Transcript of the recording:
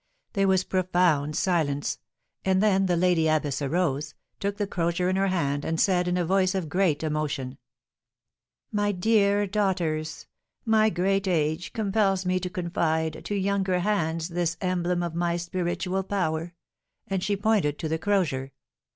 There was profound silence; and then the lady abbess rose, took the crozier in her hand, and said, in a voice of great emotion: "My dear daughters, my great age compels me to confide to younger hands this emblem of my spiritual power," and she pointed to the crozier.